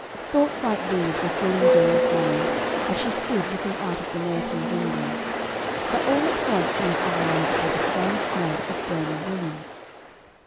Thoughts like these were filling Jennie's mind as she stood looking out of the nursery window; but all at once she was aroused by the strong smell of burning woolen.